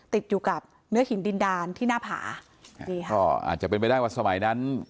ติดอยู่กับเนื้อหินดินดานที่หน้าผานี่ค่ะก็อาจจะเป็นไปได้ว่าสมัยนั้น